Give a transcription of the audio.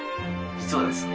実はですね